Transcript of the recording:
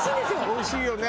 おいしいよね。